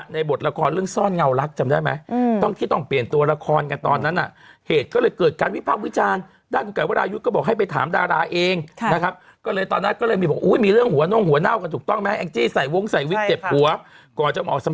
ในอนาคตหากมีพยานหลักฐานใหม่ก็สามารถเริ่มสื่อสวนกันให้ใหม่